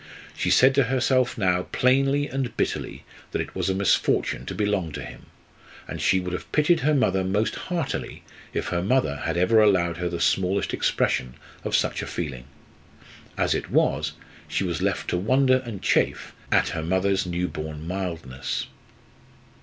She said to herself now plainly and bitterly that it was a misfortune to belong to him; and she would have pitied her mother most heartily if her mother had ever allowed her the smallest expression of such a feeling. As it was, she was left to wonder and chafe at her mother's new born mildness.